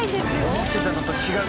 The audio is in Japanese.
思ってたのと違う。